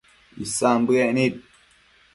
Isan bëec nid